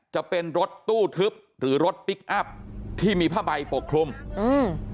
จะเป็นรถตู้ทึบหรือรถพลิกอัพที่มีผ้าใบปกคลุมอืม